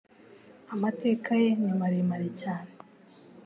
amateka ye nimaremare cyane